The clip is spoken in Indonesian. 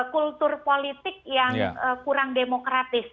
kultur politik yang kurang demokratis